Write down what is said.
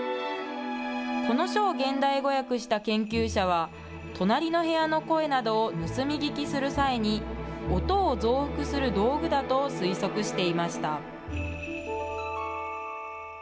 この書を現代語訳した研究者は、隣の部屋の声などを盗み聞きする際に、音を増幅する道具だと推測していました。